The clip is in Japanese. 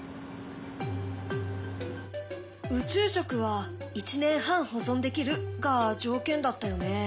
宇宙食は１年半保存できるが条件だったよね。